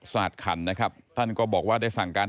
สหัสขันธ์นะครับตันก็บอกว่าได้สั่งการ